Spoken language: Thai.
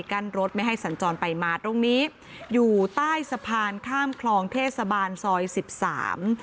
รถไม่ให้สัญจรไปมาตรงนี้อยู่ใต้สะพานข้ามคลองเทศบาลซอยสิบสาม